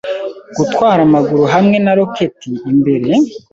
Gutwara amaguru hamwe na roketi imbere